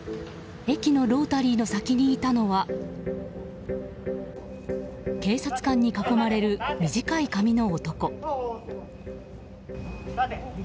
駅のロータリーの先にいたのは警察官に囲まれる短い髪の男。